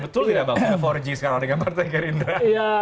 betul tidak bang empat g sekarang dengan partai gerindra